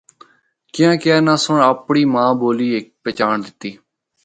کیانکہ اناں سنڑ اپنڑی ماں بولی ہک پہچانڑ دتی۔